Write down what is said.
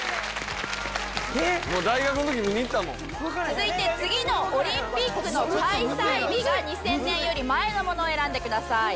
続いて次のオリンピックの開催日が２０００年より前のものを選んでください。